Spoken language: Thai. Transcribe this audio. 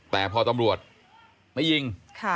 แต่พอตำรวจไม่ยิง